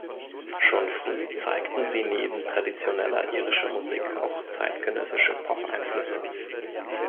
Schon früh zeigten sie neben traditioneller irischer Musik auch zeitgenössische Pop-Einflüsse.